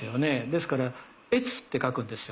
ですから「越」って書くんですよ。